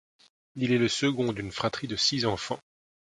Il est le second d'une fratrie de six enfants.